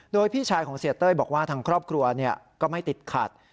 โดยพี่ชายของเสียเต้ยบอกว่าทางครอบครัวก็ไม่ติดขัด